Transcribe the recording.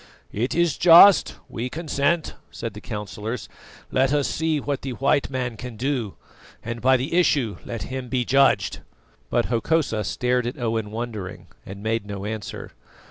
"It is just; we consent," said the councillors. "Let us see what the white man can do, and by the issue let him be judged." But Hokosa stared at Owen wondering, and made no answer.